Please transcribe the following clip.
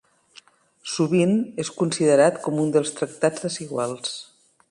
Sovint és considerat com un dels Tractats Desiguals.